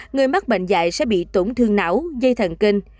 người mắc bệnh dạy sẽ bị tổn thương não dây thần kinh